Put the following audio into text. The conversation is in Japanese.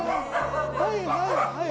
はいはいはい。